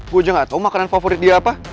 gue aja gak tau makanan favorit dia apa